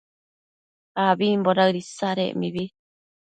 abimbo daëd isadec mibi